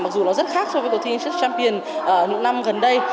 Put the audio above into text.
mặc dù nó rất khác so với cuộc thi sus champion những năm gần đây